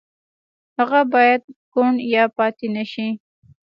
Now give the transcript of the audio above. هغه بايد کوڼ هم پاتې نه شي.